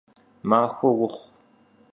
Maxue vuxhu!